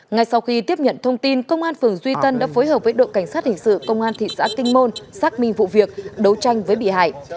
ngay sau khi tiếp nhận thông tin công an phường duy tân đã phối hợp với đội cảnh sát hình sự công an thị xã kinh môn xác minh vụ việc đấu tranh với bị hại